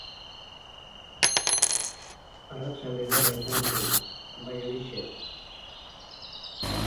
Arratsalde ederra izan zen, bai horixe.